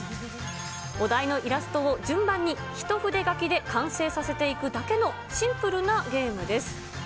お題のイラストを、順番に一筆書きで完成させていくだけの、シンプルなゲームです。